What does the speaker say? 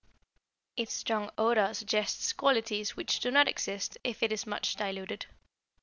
Its strong odor suggests qualities which do not exist, if it is much diluted.